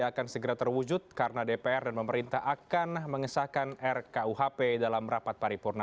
akan segera terwujud karena dpr dan pemerintah akan mengesahkan rkuhp dalam rapat paripurna